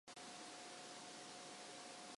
ふざけないでください